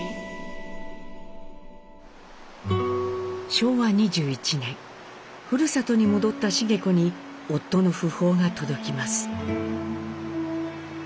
昭和２１年ふるさとに戻った繁子に夫の訃報が届きます。